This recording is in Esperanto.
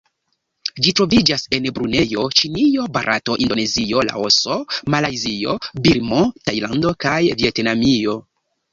Ĝi troviĝas en Brunejo, Ĉinio, Barato, Indonezio, Laoso, Malajzio, Birmo, Tajlando kaj Vjetnamio.